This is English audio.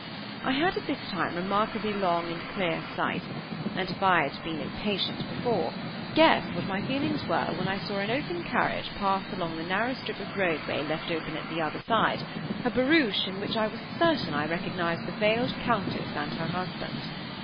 I had at this time remarkably long and clear sight, and if I had been impatient before, guess what my feelings were when I saw an open carriage pass along the narrow strip of roadway left open at the other side, a barouche in which I was certain I recognized the veiled Countess and her husband.